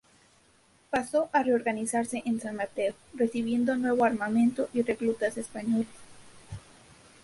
Pasó a reorganizarse en San Mateo, recibiendo nuevo armamento y reclutas españoles.